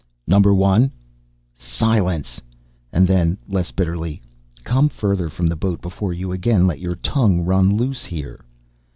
"Number One ..." "Silence!" And then, less bitterly. "Come further from the boat before you again let your tongue run loose. Here."